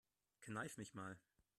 Kneif mich mal.